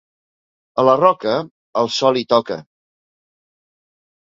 A la Roca el sol hi toca.